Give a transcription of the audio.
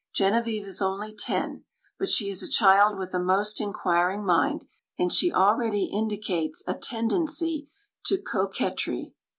Genevieve is only ten. But she is a child with a most inquiring mind, and she already indicates a tendency to coquetry.